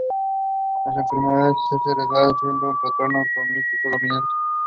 They are made from meat and paste.